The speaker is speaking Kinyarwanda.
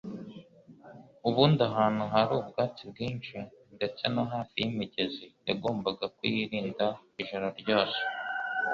ubundi ahantu hari ubwatsi bwinshi ndetse no hafi y'imigezi yagombaga kuyirinda ijoro ryose,